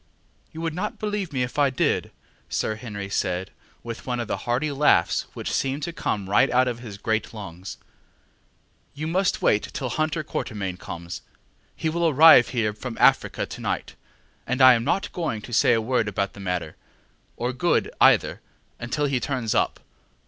ŌĆ£You would not believe me if I did, ŌĆØ Sir Henry said, with one of the hearty laughs which seem to come right out of his great lungs. ŌĆ£You must wait till Hunter Quatermain comes; he will arrive here from Africa to night, and I am not going to say a word about the matter, or Good either, until he turns up.